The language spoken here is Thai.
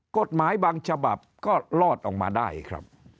กฎหมายบางฉบับก็รอดออกมาได้ครับ